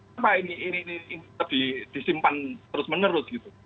kenapa ini disimpan terus menerus